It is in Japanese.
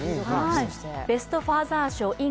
ベスト・ファーザー賞ｉｎ